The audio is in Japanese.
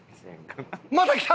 また来た！